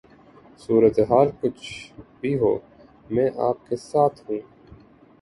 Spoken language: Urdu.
صورتحال کچھ بھی ہو میں آپ کے ساتھ ہوں